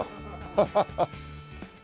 ハハハ！